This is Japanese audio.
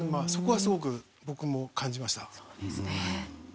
そこはすごく僕も感じました。